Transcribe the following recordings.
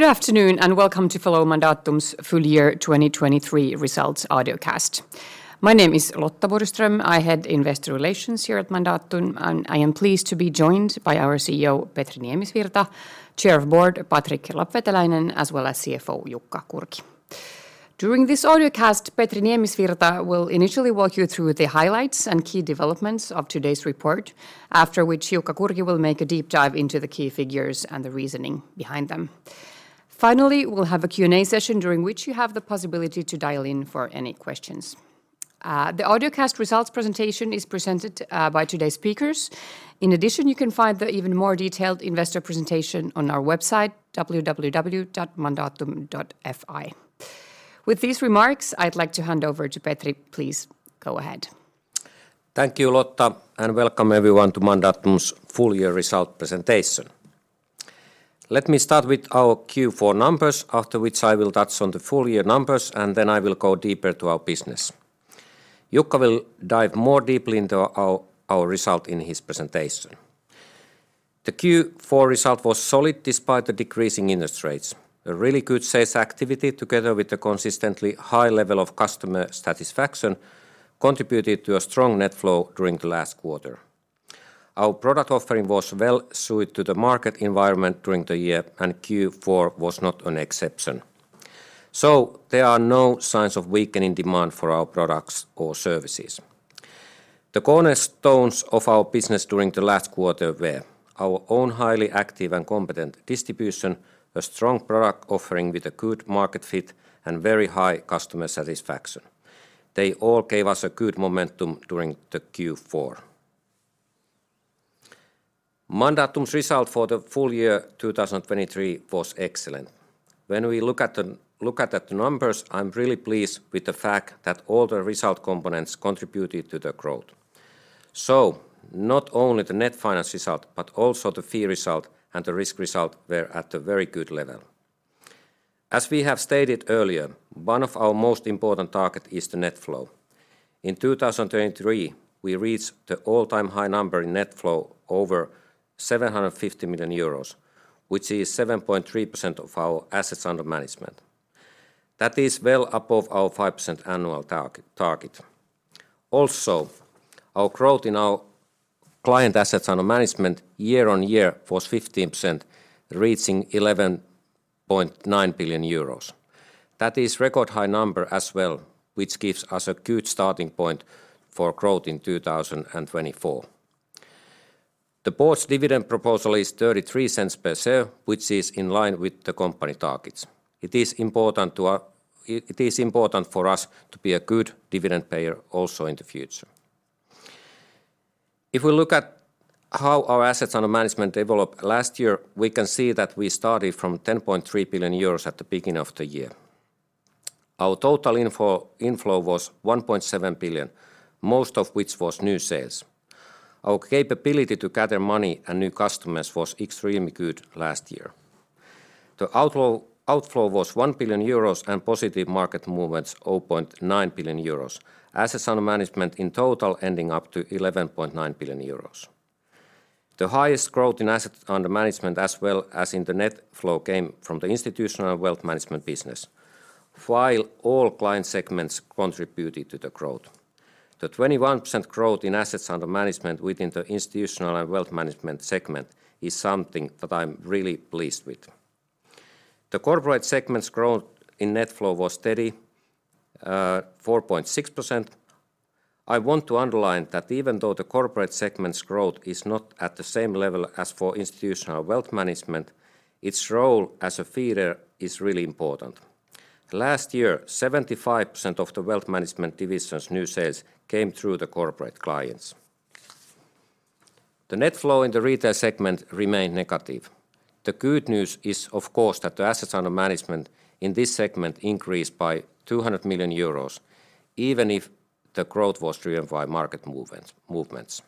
Good afternoon, and welcome to Mandatum's Full Year 2023 Results Audiocast. My name is Lotta Borgström. I head Investor Relations here at Mandatum, and I am pleased to be joined by our CEO, Petri Niemisvirta, Chair of the Board, Patrick Lapveteläinen, as well as CFO, Jukka Kurki. During this audiocast, Petri Niemisvirta will initially walk you through the highlights and key developments of today's report, after which Jukka Kurki will make a deep dive into the key figures and the reasoning behind them. Finally, we'll have a Q&A session, during which you have the possibility to dial in for any questions. The audiocast results presentation is presented by today's speakers. In addition, you can find the even more detailed investor presentation on our website, www.mandatum.fi. With these remarks, I'd like to hand over to Petri. Please, go ahead. Thank you, Lotta, and welcome everyone to Mandatum's full-year result presentation. Let me start with our Q4 numbers, after which I will touch on the full-year numbers, and then I will go deeper to our business. Jukka will dive more deeply into our result in his presentation. The Q4 result was solid despite the decreasing interest rates. A really good sales activity, together with a consistently high level of customer satisfaction, contributed to a strong net flow during the last quarter. Our product offering was well suited to the market environment during the year, and Q4 was not an exception. There are no signs of weakening demand for our products or services. The cornerstones of our business during the last quarter were our own highly active and competent distribution, a strong product offering with a good market fit, and very high customer satisfaction. They all gave us a good momentum during the Q4. Mandatum's result for the full year 2023 was excellent. When we look at the, look at the numbers, I'm really pleased with the fact that all the result components contributed to the growth. So not only the net finance result, but also the fee result and the risk result were at a very good level. As we have stated earlier, one of our most important target is the net flow. In 2023, we reached the all-time high number in net flow, over 750 million euros, which is 7.3% of our assets under management. That is well above our 5% annual target, target. Also, our growth in our client assets under management year-on-year was 15%, reaching 11.9 billion euros. That is record high number as well, which gives us a good starting point for growth in 2024. The board's dividend proposal is 0.33 per share, which is in line with the company targets. It is important for us to be a good dividend payer also in the future. If we look at how our assets under management developed last year, we can see that we started from 10.3 billion euros at the beginning of the year. Our total inflow was 1.7 billion, most of which was new sales. Our capability to gather money and new customers was extremely good last year. The outflow was 1 billion euros and positive market movements, 0.9 billion euros. Assets under management in total ending up to 11.9 billion euros. The highest growth in assets under management, as well as in the net flow, came from the institutional wealth management business. While all client segments contributed to the growth, the 21% growth in assets under management within the institutional and wealth management segment is something that I'm really pleased with. The corporate segment's growth in net flow was steady, 4.6%. I want to underline that even though the corporate segment's growth is not at the same level as for institutional wealth management, its role as a feeder is really important. Last year, 75% of the wealth management division's new sales came through the corporate clients. The net flow in the retail segment remained negative. The good news is, of course, that the assets under management in this segment increased by 200 million euros, even if the growth was driven by market movements.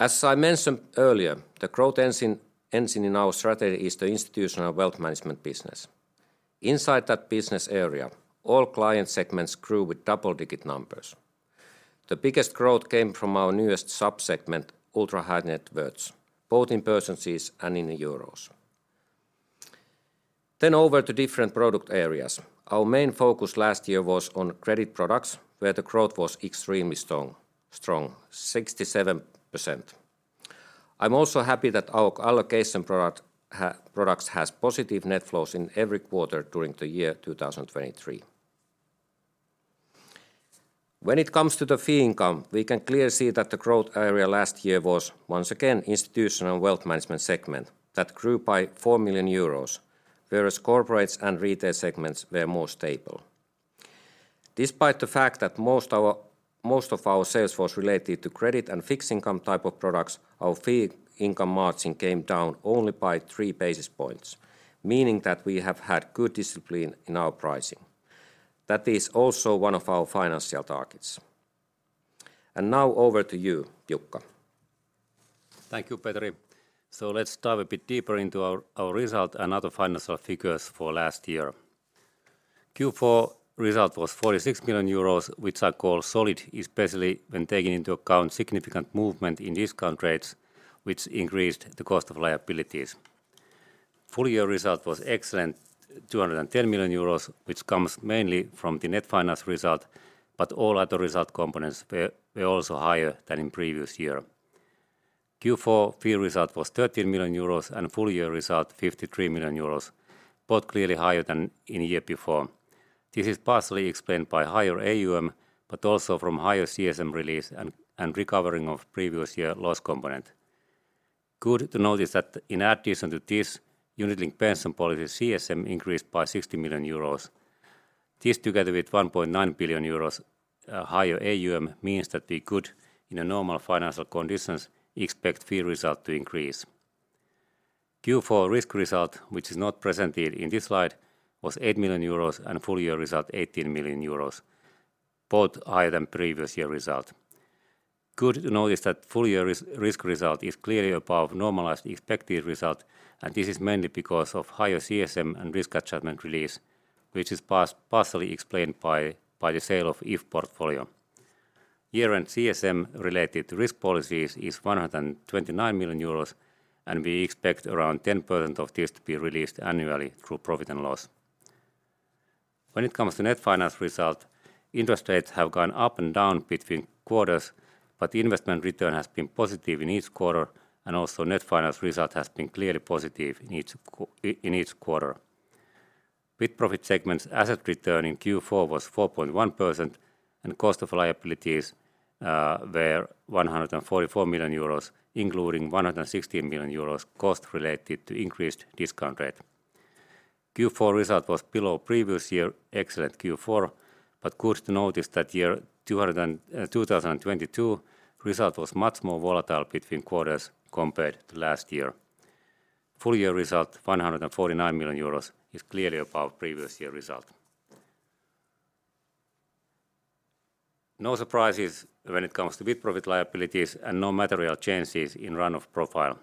As I mentioned earlier, the growth engine in our strategy is the institutional wealth management business. Inside that business area, all client segments grew with double-digit numbers. The biggest growth came from our newest sub-segment, Ultra High Net Worth, both in percentages and in euros. Then over to different product areas. Our main focus last year was on credit products, where the growth was extremely strong, 67%. I'm also happy that our allocation products has positive net flows in every quarter during the year 2023. When it comes to the fee income, we can clearly see that the growth area last year was, once again, institutional wealth management segment that grew by 4 million euros, whereas corporates and retail segments were more stable. Despite the fact that most of our sales was related to credit and fixed income type of products, our fee income margin came down only by three basis points, meaning that we have had good discipline in our pricing. That is also one of our financial targets. Now over to you, Jukka. Thank you, Petri. Let's dive a bit deeper into our, our result and other financial figures for last year. Q4 result was 46 million euros, which I call solid, especially when taking into account significant movement in discount rates, which increased the cost of liabilities. Full year result was excellent, 210 million euros, which comes mainly from the net finance result, but all other result components were also higher than in previous year. Q4 fee result was 13 million euros, and full year result, 53 million euros, both clearly higher than in year before. This is partially explained by higher AUM, but also from higher CSM release and recovering of previous year loss component. Good to notice that in addition to this, Unit-linked pension policy, CSM increased by 60 million euros. This, together with 1.9 billion euros higher AUM, means that we could, in a normal financial conditions, expect fee result to increase. Q4 risk result, which is not presented in this slide, was 8 million euros, and full year result, 18 million euros, both higher than previous year result. Good to notice that full year risk result is clearly above normalized expected result, and this is mainly because of higher CSM and risk adjustment release, which is partially explained by the sale of If portfolio. Year-end CSM related to risk policies is 129 million euros, and we expect around 10% of this to be released annually through profit and loss. When it comes to net finance result, interest rates have gone up and down between quarters, but investment return has been positive in each quarter, and also net finance result has been clearly positive in each quarter. With-Profit segments, asset return in Q4 was 4.1%, and cost of liabilities were 144 million euros, including 116 million euros cost related to increased discount rate. Q4 result was below previous year, excellent Q4, but good to notice that year 2022 result was much more volatile between quarters compared to last year. Full year result, 149 million euros, is clearly above previous year result. No surprises when it comes to With-Profit liabilities and no material changes in run-off profile.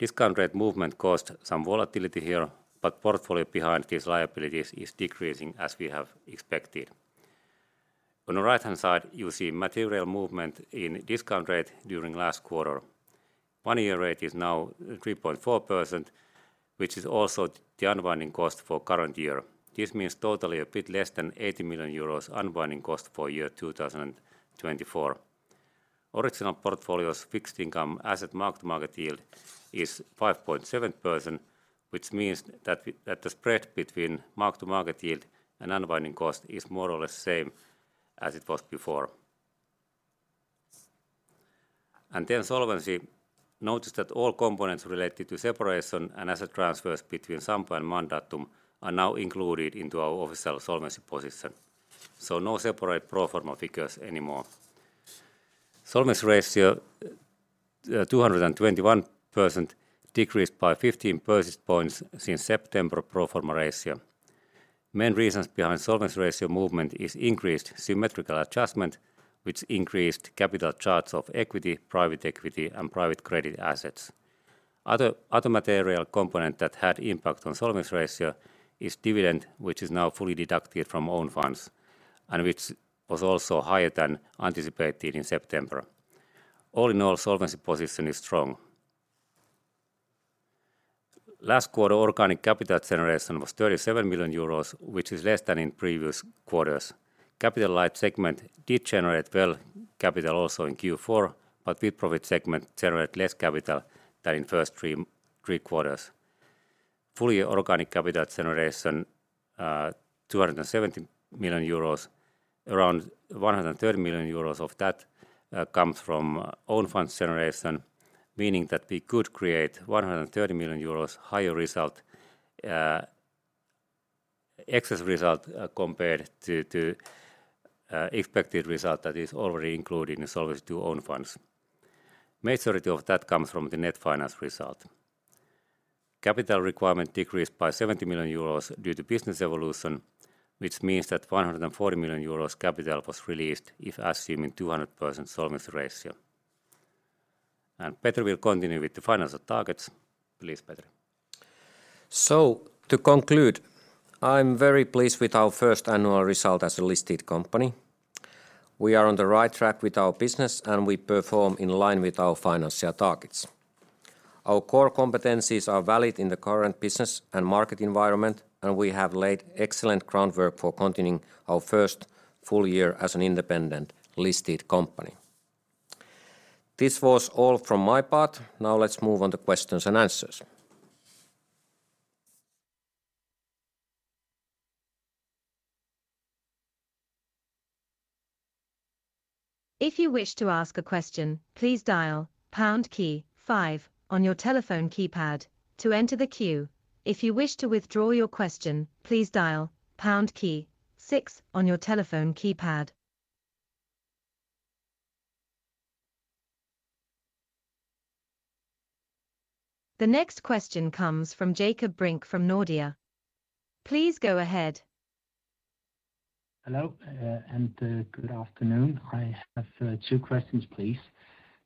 Discount rate movement caused some volatility here, but portfolio behind these liabilities is decreasing as we have expected. On the right-hand side, you see material movement in discount rate during last quarter. One-year rate is now 3.4%, which is also the unwinding cost for current year. This means totally a bit less than 80 million euros unwinding cost for year 2024. Original portfolio's fixed income asset mark-to-market yield is 5.7%, which means that the spread between mark-to-market yield and unwinding cost is more or less same as it was before. Then solvency. Notice that all components related to separation and asset transfers between Sampo and Mandatum are now included into our official solvency position, so no separate pro forma figures anymore. Solvency ratio, 221%, decreased by 15 percentage points since September pro forma ratio. Main reasons behind solvency ratio movement is increased Symmetrical Adjustment, which increased capital charge of equity, private equity, and private credit assets. Other material component that had impact on solvency ratio is dividend, which is now fully deducted from own funds, and which was also higher than anticipated in September. All in all, solvency position is strong. Last quarter, organic capital generation was 37 million euros, which is less than in previous quarters. Capital-light segment did generate well capital also in Q4, but With-Profit segment generate less capital than in first three quarters. Full-year organic capital generation, 270 million euros, around 130 million euros of that comes from own funds generation, meaning that we could create 130 million euros higher result, excess result, compared to expected result that is already included in solvency to own funds. Majority of that comes from the net finance result. Capital requirement decreased by 70 million euros due to business evolution, which means that 140 million euros capital was released if assuming 200% solvency ratio. Petri will continue with the financial targets. Please, Petri. To conclude, I'm very pleased with our first annual result as a listed company. We are on the right track with our business, and we perform in line with our financial targets. Our core competencies are valid in the current business and market environment, and we have laid excellent groundwork for continuing our first full year as an independent listed company. This was all from my part. Now let's move on to questions and answers. If you wish to ask a question, please dial pound key five on your telephone keypad to enter the queue. If you wish to withdraw your question, please dial pound key six on your telephone keypad. The next question comes from Jakob Brink from Nordea. Please go ahead. Hello, and good afternoon. I have two questions, please.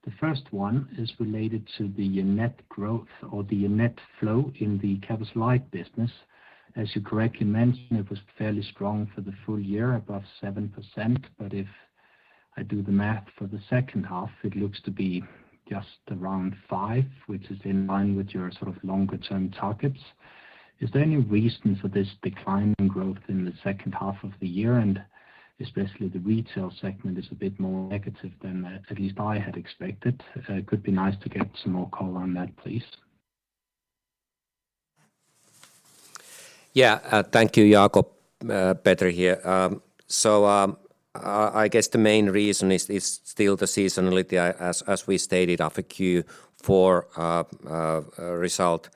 The first one is related to the net growth or the net flow in the Capital Light business. As you correctly mentioned, it was fairly strong for the full year, above 7%, but if I do the math for the second half, it looks to be just around 5%, which is in line with your sort of longer-term targets. Is there any reason for this decline in growth in the second half of the year? And especially the retail segment is a bit more negative than at least I had expected. It could be nice to get some more color on that, please. Yeah. Thank you, Jakob. Petri here. So, I guess the main reason is still the seasonality as we stated of a Q4 result.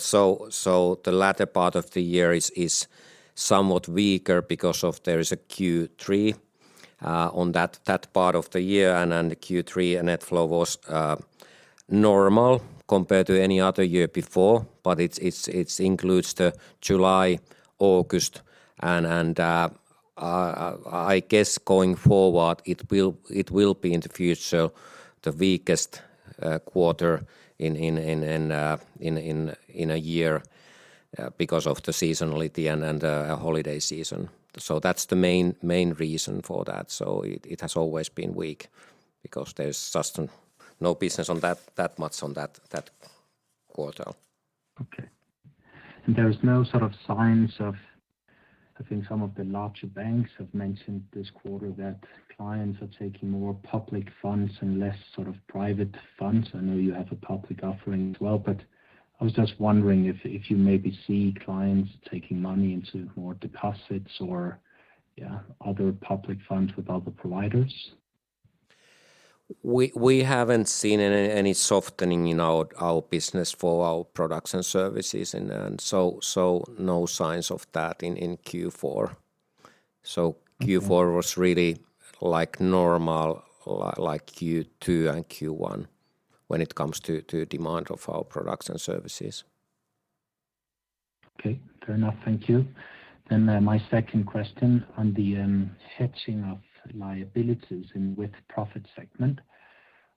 So, the latter part of the year is somewhat weaker because there is a Q3 on that part of the year, and then the Q3 net flow was normal compared to any other year before. But it includes the July, August, and, I guess going forward, it will be in the future the weakest quarter in a year, because of the seasonality and a holiday season. So that's the main reason for that. So it has always been weak because there's just no business on that much on that quarter. Okay. There's no sort of signs of... I think some of the larger banks have mentioned this quarter that clients are taking more public funds and less sort of private funds. I know you have a public offering as well, but I was just wondering if you maybe see clients taking money into more deposits or, yeah, other public funds with other providers. We haven't seen any softening in our business for our products and services, and so no signs of that in Q4. So Q4- Mm-hmm... was really like normal, like Q2 and Q1 when it comes to, to demand of our products and services. Okay, fair enough. Thank you. Then, my second question on the hedging of liabilities and With-profit segment.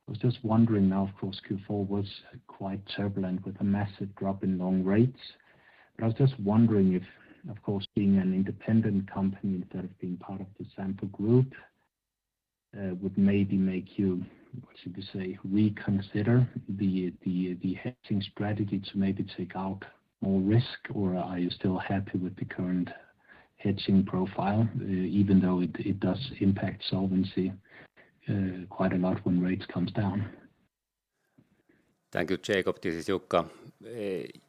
I was just wondering now, of course, Q4 was quite turbulent with a massive drop in long rates. But I was just wondering if, of course, being an independent company instead of being part of the Sampo group, would maybe make you, what should we say, reconsider the hedging strategy to maybe take out more risk, or are you still happy with the current hedging profile, even though it does impact solvency quite a lot when rates comes down? Thank you, Jakob. This is Jukka.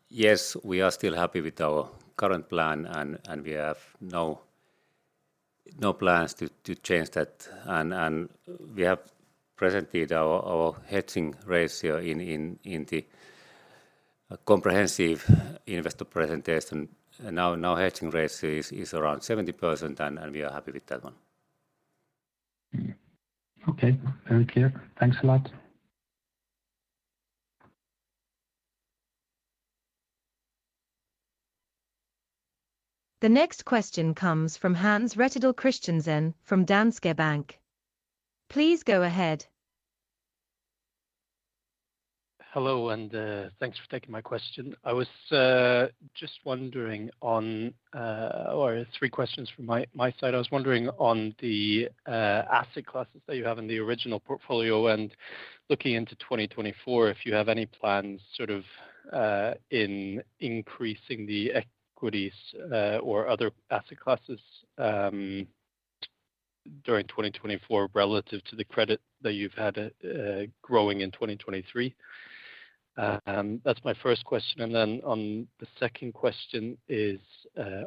Yes, we are still happy with our current plan, and we have no plans to change that. We have presented our hedging ratio in the comprehensive investor presentation. Now our hedging ratio is around 70%, and we are happy with that one. Mm-hmm. Okay, very clear. Thanks a lot. The next question comes from Hans Rettedal Christiansen from Danske Bank. Please go ahead. Hello, and, thanks for taking my question. I was just wondering on or three questions from my, my side. I was wondering on the asset classes that you have in the original portfolio and looking into 2024, if you have any plans sort of in increasing the equities or other asset classes during 2024 relative to the credit that you've had growing in 2023. That's my first question, and then on the second question is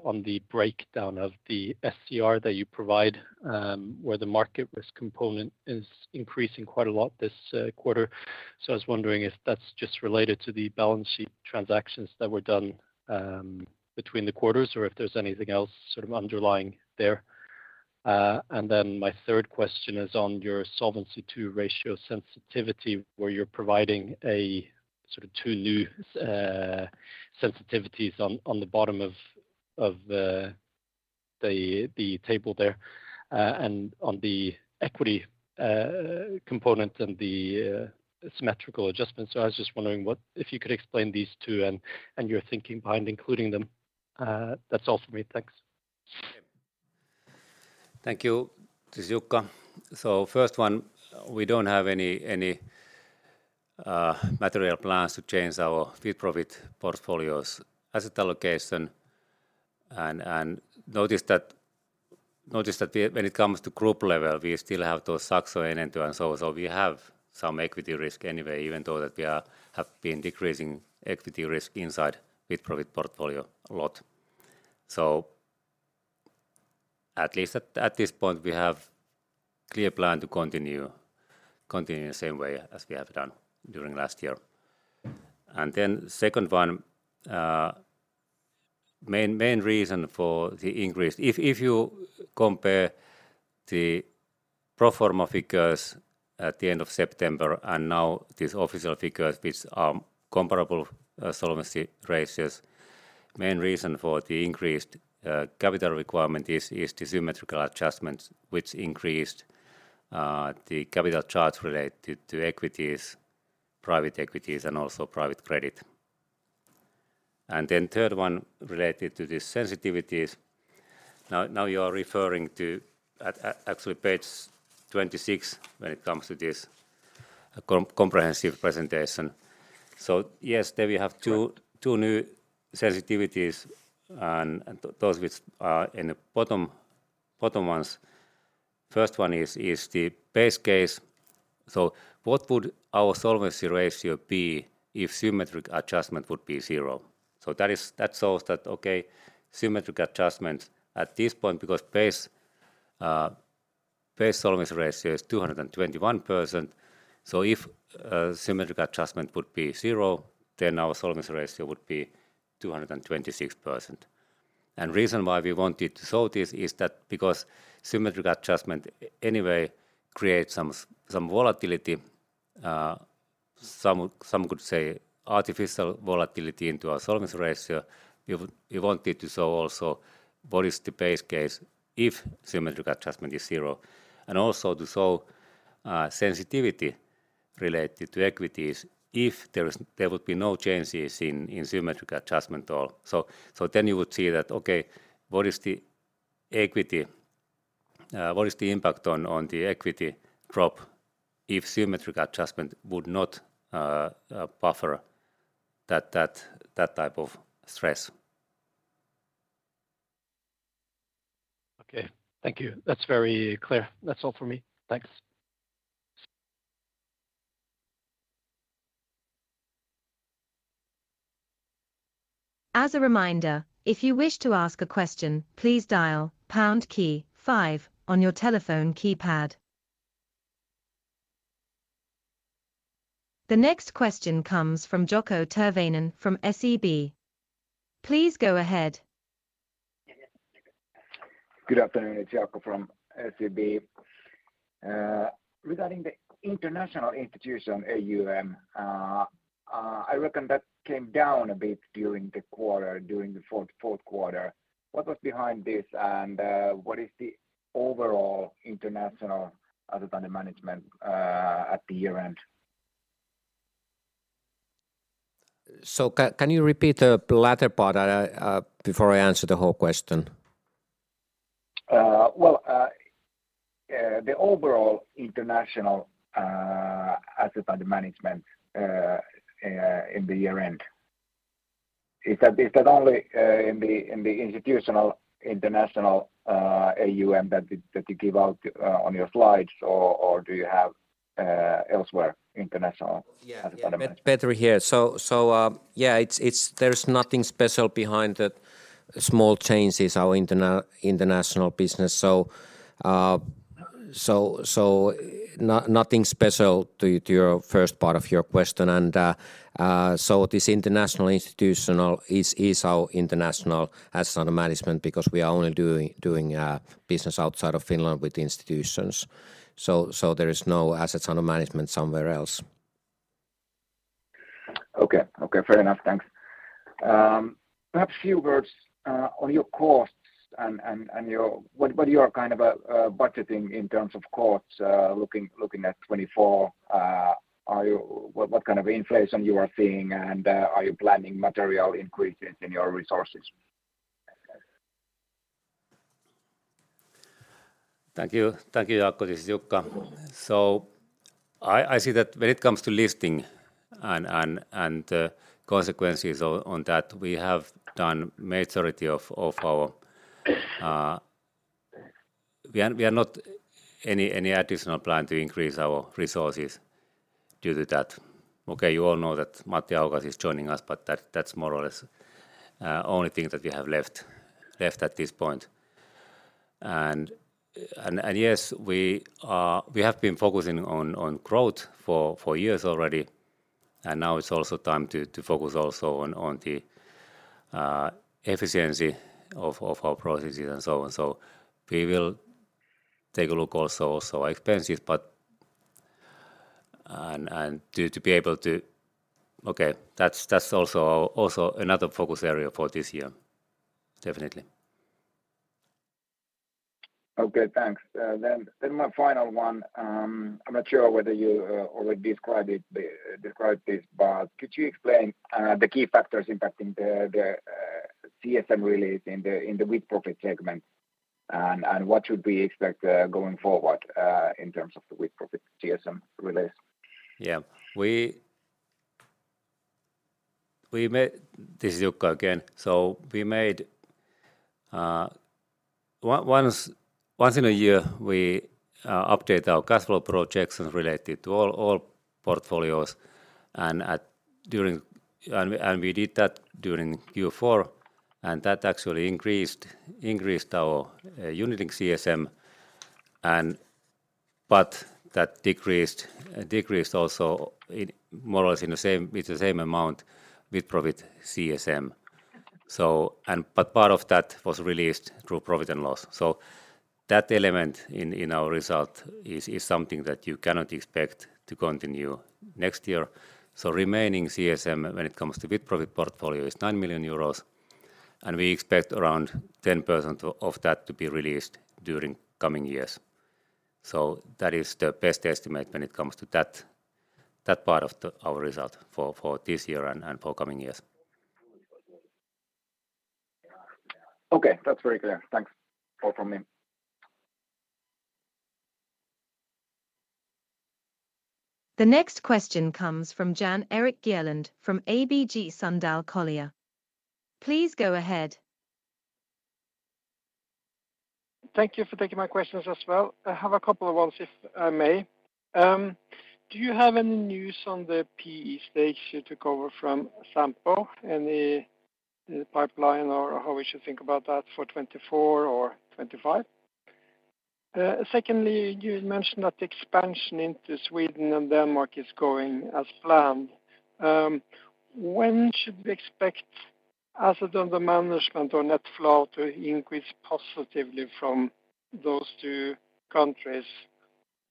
on the breakdown of the SCR that you provide, where the market risk component is increasing quite a lot this quarter. So I was wondering if that's just related to the balance sheet transactions that were done between the quarters or if there's anything else sort of underlying there. And then my third question is on your Solvency II ratio sensitivity, where you're providing a sort of two new sensitivities on the bottom of the table there, and on the equity component and the symmetrical adjustments. So I was just wondering what—if you could explain these two and your thinking behind including them. That's all for me. Thanks. Thank you. This is Jukka. So first one, we don't have any material plans to change our With-profit portfolio's asset allocation. And notice that we... when it comes to group level, we still have those Saxo and so on. So we have some equity risk anyway, even though we have been decreasing equity risk inside With-profit portfolio a lot. So at least at this point, we have clear plan to continue the same way as we have done during last year. And then second one, main reason for the increase. If you compare the pro forma figures at the end of September, and now these official figures, which are comparable, solvency ratios. Main reason for the increased capital requirement is the symmetrical adjustments, which increased the capital charge related to equities, private equities, and also private credit. And then third one related to the sensitivities. Now you are referring to, actually, page 26 when it comes to this comprehensive presentation. So yes, there we have two new sensitivities, and those which are in the bottom ones. First one is the base case. So what would our solvency ratio be if symmetrical adjustment would be zero? So that is. That shows that, okay, symmetrical adjustment at this point, because base solvency ratio is 221%. So if symmetrical adjustment would be zero, then our solvency ratio would be 226%. The reason why we wanted to show this is that because symmetrical adjustment anyway creates some some volatility, some could say artificial volatility into our solvency ratio. We wanted to show also what is the base case if symmetrical adjustment is zero, and also to show sensitivity related to equities if there would be no changes in symmetrical adjustment at all. So then you would see that, okay, what is the equity, what is the impact on the equity drop if symmetrical adjustment would not buffer that type of stress? Okay, thank you. That's very clear. That's all for me. Thanks. As a reminder, if you wish to ask a question, please dial pound key five on your telephone keypad. The next question comes from Jaakko Tyrväinen from SEB. Please go ahead. Good afternoon, it's Jaakko from SEB. Regarding the international institution, AUM, I reckon that came down a bit during the quarter, during the fourth quarter. What was behind this, and what is the overall international other than the management at the year-end? So can you repeat the latter part before I answer the whole question? Well, the overall international asset under management in the year-end. Is that only in the institutional international AUM that you give out on your slides, or do you have elsewhere international asset under management? Yeah. Petri here. So, yeah, it's—there's nothing special behind the small changes in our international business. So, nothing special to your first part of your question. So this international institutional is our international asset under management because we are only doing business outside of Finland with institutions. So, there is no assets under management somewhere else. Okay. Okay, fair enough. Thanks. Perhaps a few words on your costs and your... What you are kind of budgeting in terms of costs, looking at 2024. Are you-- what kind of inflation you are seeing, and are you planning material increases in your resources? Thank you. Thank you, Jaakko. This is Jukka. So I see that when it comes to listing and consequences on that, we have done majority of our. We are not any additional plan to increase our resources due to that. Okay, you all know that Matti Ahokas is joining us, but that's more or less only thing that we have left at this point. And yes, we have been focusing on growth for years already, and now it's also time to focus also on the efficiency of our processes and so on. So we will take a look also at expenses, but. And to be able to. Okay, that's also another focus area for this year. Definitely. Okay, thanks. Then my final one, I'm not sure whether you already described this, but could you explain the key factors impacting the CSM release in the With-profit segment, and what should we expect going forward in terms of the With-profit CSM release? Yeah. We made... This is Jukka again. So we made once a year we update our cash flow projections related to all portfolios, and during... And we did that during Q4, and that actually increased our unit-linked CSM, and but that decreased also more or less in the same with the same amount, With-profit CSM.... So, but part of that was released through profit and loss. So that element in our result is something that you cannot expect to continue next year. So remaining CSM when it comes to With-profit portfolio is 9 million euros, and we expect around 10% of that to be released during coming years. So that is the best estimate when it comes to that part of our result for this year and for coming years. Okay, that's very clear. Thanks. All from me. The next question comes from Jan Erik Gjerland from ABG Sundal Collier. Please go ahead. Thank you for taking my questions as well. I have a couple of ones, if I may. Do you have any news on the PE stakes you took over from Sampo, any pipeline, or how we should think about that for 2024 or 2025? Secondly, you mentioned that the expansion into Sweden and Denmark is going as planned. When should we expect assets under management or net flow to increase positively from those two countries?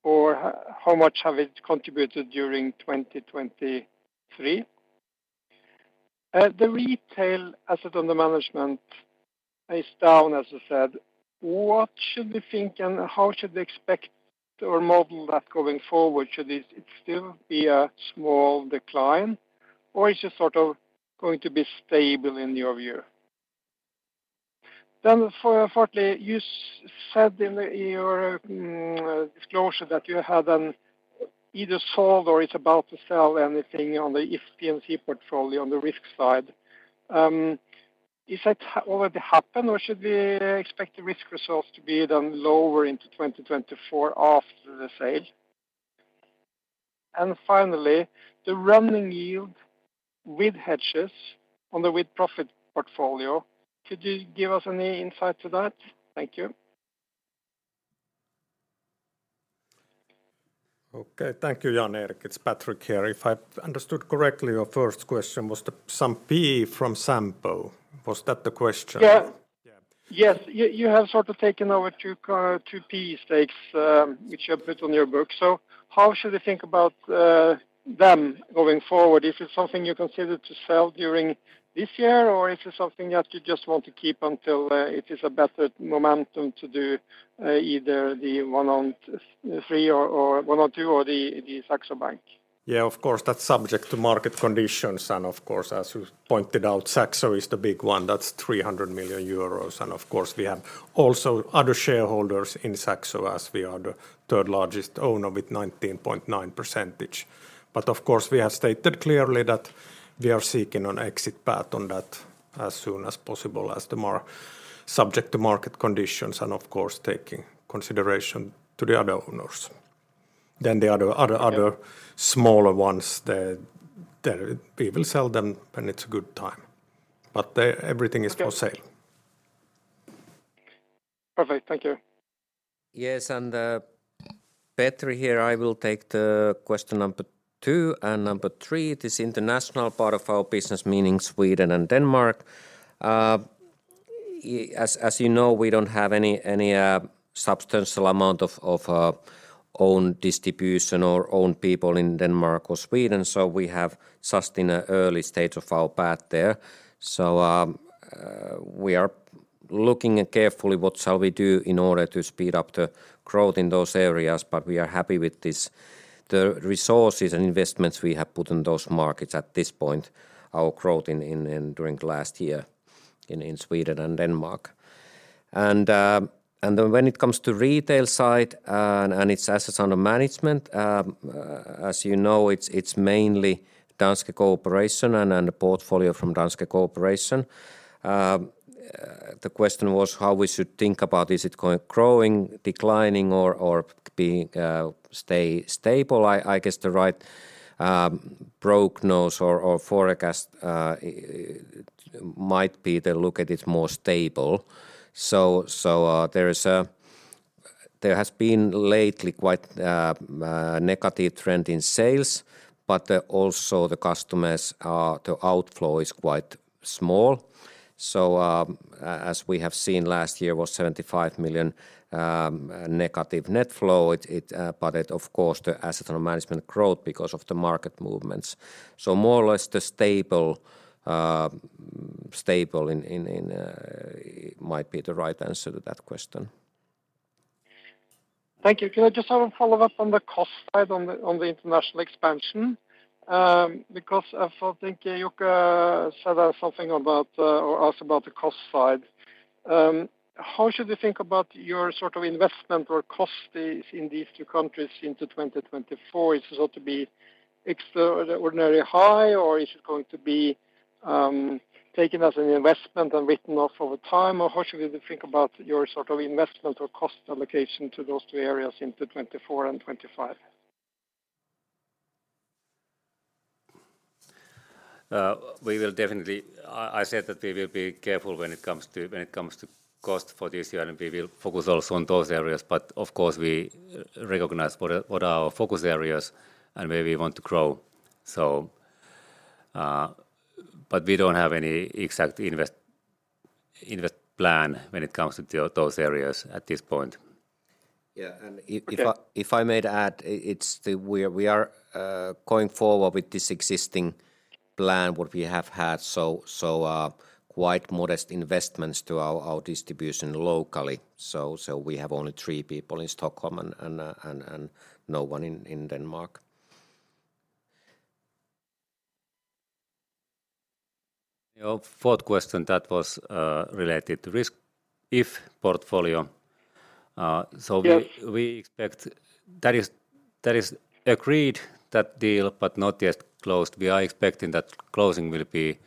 Or how much have it contributed during 2023? The retail assets under management is down, as I said. What should we think, and how should we expect or model that going forward? Should it still be a small decline, or is it sort of going to be stable in your view? Then fourthly, you said in your disclosure that you had either sold or is about to sell anything on the If P&C portfolio on the risk side. Is that already happened, or should we expect the risk results to be then lower into 2024 after the sale? And finally, the running yield with hedges on the with-profit portfolio, could you give us any insight to that? Thank you. Okay. Thank you, Jan Erik. It's Patrick here. If I've understood correctly, your first question was the some PE from Sampo. Was that the question? Yeah. Yeah. Yes. You have sort of taken over two two PE stakes, which you put on your book. So how should we think about them going forward? Is it something you consider to sell during this year, or is it something that you just want to keep until it is a better momentum to do either the one on three or one on two or the Saxo Bank? Yeah, of course, that's subject to market conditions, and of course, as you pointed out, Saxo is the big one. That's 300 million euros, and of course, we have also other shareholders in Saxo, as we are the third largest owner with 19.9%. But of course, we have stated clearly that we are seeking an exit path on that as soon as possible as the more subject to market conditions, and of course, taking consideration to the other owners. Then the other- Yeah... smaller ones, we will sell them when it's a good time, but they, everything is for sale. Okay. Perfect. Thank you. Yes, and, Petri here, I will take the question number two and number three. This international part of our business, meaning Sweden and Denmark. As you know, we don't have any substantial amount of own distribution or own people in Denmark or Sweden, so we have just in an early stage of our path there. So, we are looking carefully what shall we do in order to speed up the growth in those areas, but we are happy with this, the resources and investments we have put in those markets at this point. Our growth during the last year in Sweden and Denmark. And then when it comes to retail side and its assets under management, as you know, it's mainly Danske Bank and the portfolio from Danske Bank. The question was how we should think about, is it growing, declining, or staying stable? I guess the right prognosis or forecast might be to look at it more stable. There has been lately quite a negative trend in sales, but also the customer outflow is quite small. As we have seen, last year was 75 million negative net flow. But of course, the assets under management growth because of the market movements. More or less stable might be the right answer to that question. Thank you. Can I just have a follow-up on the cost side on the, on the international expansion? Because I think Jukka said something about, or asked about the cost side. How should we think about your sort of investment or cost is in these two countries into 2024? Is it ought to be extraordinary high, or is it going to be, taken as an investment and written off over time? Or how should we think about your sort of investment or cost allocation to those two areas into 2024 and 2025? We will definitely... I said that we will be careful when it comes to, when it comes to cost for this year, and we will focus also on those areas. But of course, we recognize what are, what are our focus areas and where we want to grow. So, but we don't have any exact invest-... investment plan when it comes to those areas at this point. Yeah, and if I may add, it's, we are going forward with this existing plan, what we have had, so quite modest investments to our distribution locally. So we have only three people in Stockholm and no one in Denmark. Your fourth question, that was related to risk, If portfolio. So- Yeah... we expect that is, that is agreed that deal, but not yet closed. We are expecting that closing will be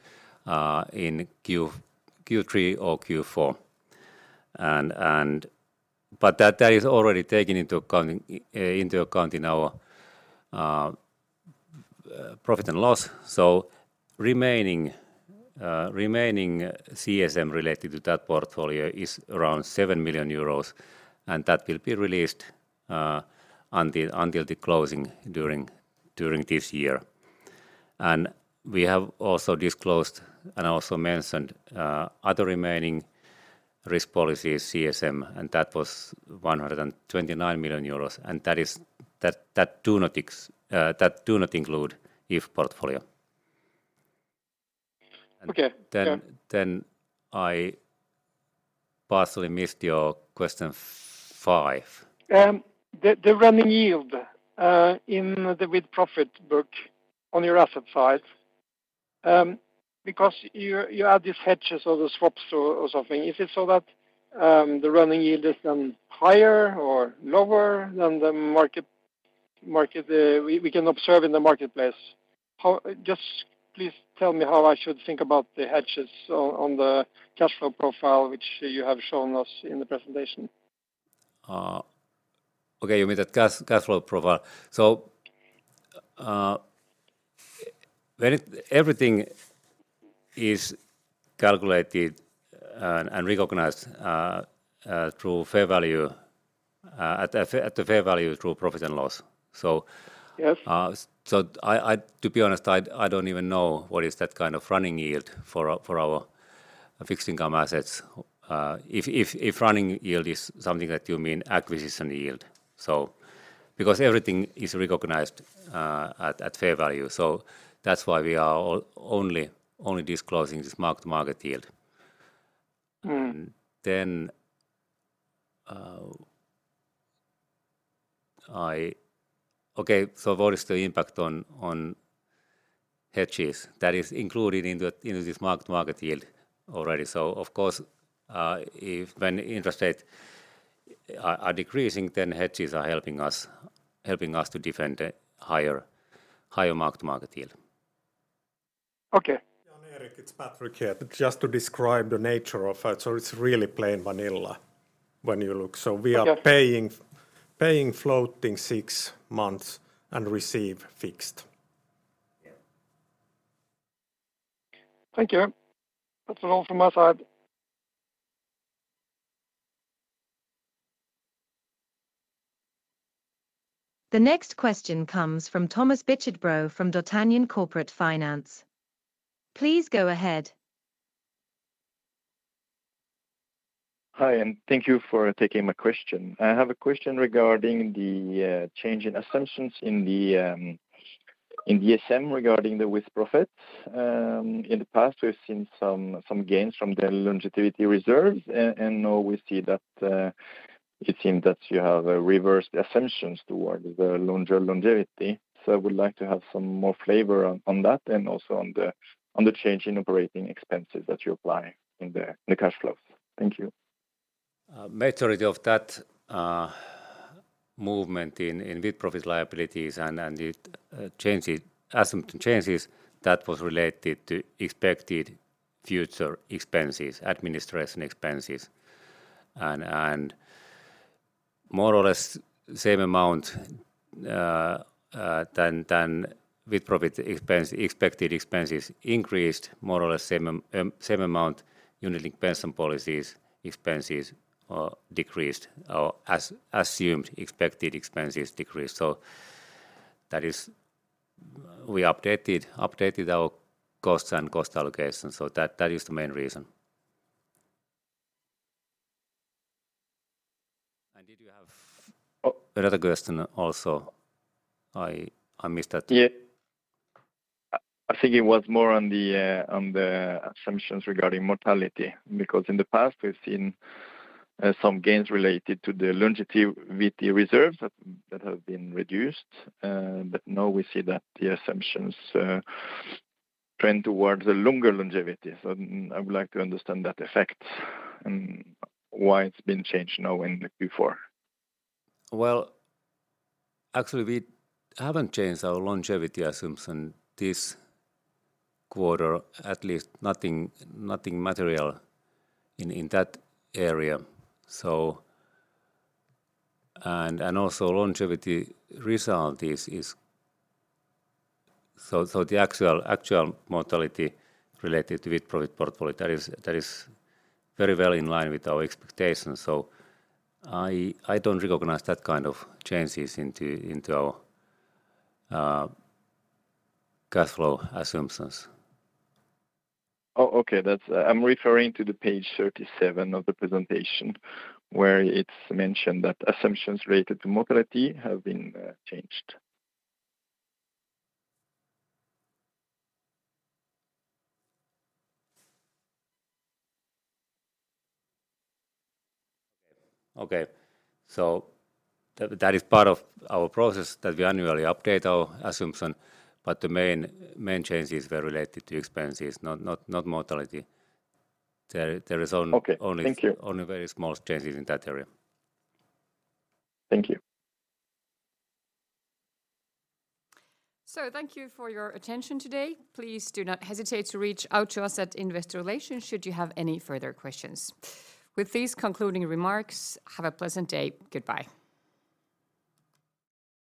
in Q3 or Q4. And but that is already taken into account into account in our profit and loss. So remaining remaining CSM related to that portfolio is around 7 million euros, and that will be released until the closing during this year. And we have also disclosed, and I also mentioned other remaining risk policy CSM, and that was 129 million euros, and that is. That do not include If portfolio. Okay. Yeah. Then I partially missed your question five. The running yield in the With-profit book on your asset side, because you add these hedges or the swaps or something. Is it so that the running yield is then higher or lower than the market we can observe in the marketplace? How... Just please tell me how I should think about the hedges on the cash flow profile, which you have shown us in the presentation. Okay, you mean that cash flow profile. So, when it... Everything is calculated and recognized through fair value at fair value through profit or loss. So- Yes So, to be honest, I don't even know what is that kind of running yield for our fixed income assets. If running yield is something that you mean acquisition yield. So because everything is recognized at fair value, that's why we are only disclosing this mark-to-market yield. Mm. Then, okay, so what is the impact on hedges? That is included into this mark-to-market yield already. So of course, if when interest rates are decreasing, then hedges are helping us, helping us to defend a higher, higher mark-to-market yield. Okay. Yeah, Erik, it's Patrick here. Just to describe the nature of it, so it's really plain vanilla when you look. Okay. We are paying floating six months and receive fixed. Yeah. Thank you. That's all from my side. The next question comes from Thomas Bichard-Bréaud from D'Artagnan Corporate Finance. Please go ahead. Hi, and thank you for taking my question. I have a question regarding the change in assumptions in the CSM regarding the With-profits. In the past, we've seen some gains from the longevity reserves and now we see that it seems that you have reversed the assumptions towards the longevity. So I would like to have some more flavor on that and also on the change in operating expenses that you apply in the cash flows. Thank you. Majority of that movement in With-profit liabilities and the changes, assumption changes, that was related to expected future expenses, administration expenses. More or less same amount than With-profit expense, expected expenses increased more or less same amount unit pension policies, expenses decreased, or assumed expected expenses decreased. So that is... We updated our costs and cost allocation, so that is the main reason. Did you have- Oh... another question also? I, I missed that. Yeah. I think it was more on the assumptions regarding mortality, because in the past, we've seen some gains related to the longevity reserves that have been reduced. But now we see that the assumptions trend towards the longer longevity. So I would like to understand that effect and why it's been changed now and before. Well, actually, we haven't changed our longevity assumption this quarter, at least nothing material in that area. So, also longevity result is... So, the actual mortality related to With-profit portfolio, that is very well in line with our expectations. So I don't recognize that kind of changes into our cash flow assumptions. Oh, okay. That's... I'm referring to page 37 of the presentation, where it's mentioned that assumptions related to mortality have been changed. Okay. So that is part of our process, that we annually update our assumption, but the main changes were related to expenses, not mortality. There is on- Okay. Thank you.... only very small changes in that area. Thank you. Thank you for your attention today. Please do not hesitate to reach out to us at Investor Relations should you have any further questions. With these concluding remarks, have a pleasant day. Goodbye.